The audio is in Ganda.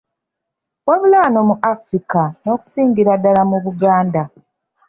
Wabula, wano mu Afirika n'okusingira ddala mu Buganda.